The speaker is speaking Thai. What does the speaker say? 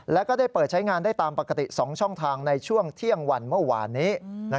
แล้วก็ได้เปิดใช้งานได้ตามปกติ๒ช่องทางในช่วงเที่ยงวันเมื่อวานนี้